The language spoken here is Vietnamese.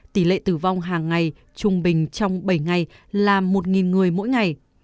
tỷ lệ tử vong hàng ngày trung bình trong bảy ngày là một người mỗi ngày